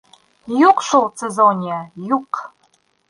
Юҡ шул, Цезония, юҡ!